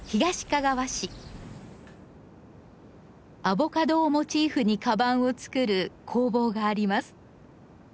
アボカドをモチーフにカバンを作る工房があります。